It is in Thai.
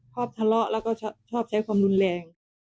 ชอบทะเลาะแล้วก็ชอบใช้ความรุนแรง